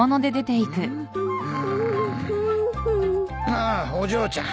ああお嬢ちゃん